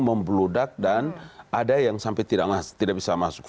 membludak dan ada yang sampai tidak bisa masuk